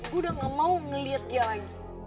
gue udah gak mau ngeliat dia lagi